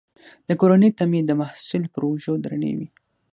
د کورنۍ تمې د محصل پر اوږو درنې وي.